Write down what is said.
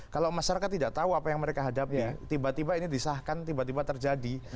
kalau masyarakat tidak tahu apa yang mereka hadapi tiba tiba ini disahkan tiba tiba terjadi